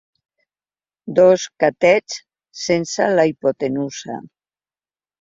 Dos catets sense la hipotenusa.